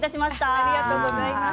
ありがとうございます。